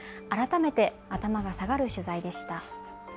改めて頭が下がる取材でした。